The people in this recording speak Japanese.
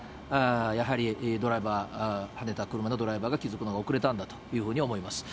やはりドライバー、はねた車のドライバーが気付くのが遅れたんだというふうに思います。